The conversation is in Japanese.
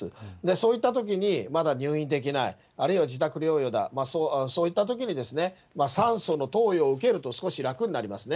そういったときに、まだ入院できない、あるいは自宅療養だ、そういったときに、酸素の投与を受けると少し楽になりますね。